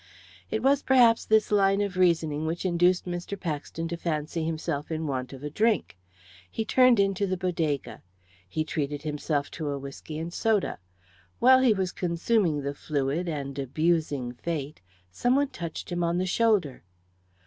It was perhaps this line of reasoning which induced Mr. Paxton to fancy himself in want of a drink. He turned into the Bodega. He treated himself to a whisky and soda. While he was consuming the fluid and abusing Fate, some one touched him on the shoulder.